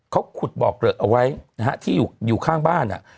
เขาขุดบ่อเกลอะเอาไว้นะฮะที่อยู่ข้างบ้าน